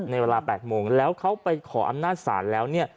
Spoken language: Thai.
ในเวลา๘โมงแล้วเขาไปขออำนาจศาลแล้ว